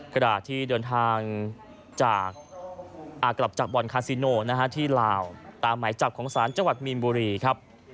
กราธิเดินทางจากอากรับจับวนคาซิโนนะฮะที่ลาวตามหมายจับของศาลจังหวัดมิลบุรีครับ